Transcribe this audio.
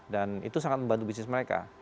dan itu sangat membantu bisnis mereka